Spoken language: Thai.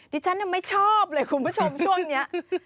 ดิฉันไม่ชอบเลยคุณผู้ชมช่วงนี้